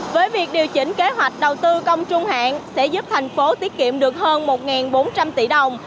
với việc điều chỉnh kế hoạch đầu tư công trung hạn sẽ giúp thành phố tiết kiệm được hơn một bốn trăm linh tỷ đồng